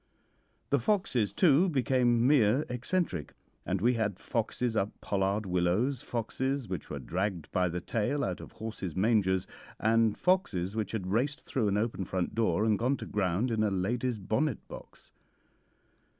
The foxes, too, became mere eccentric, and we had foxes up pollard willows, foxes which were dragged by the tail out of horses' mangers, and foxes which had raced through an open front door and gone to ground in a lady's bonnet box.